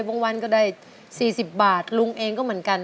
วันก็ได้๔๐บาทลุงเองก็เหมือนกัน